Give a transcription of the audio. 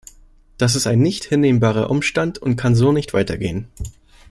Das ist ein nicht hinnehmbarer Umstand und kann so nicht weitergehen.